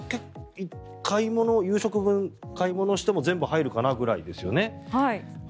夕食分、買い物をしても全部入るかなぐらいですよね。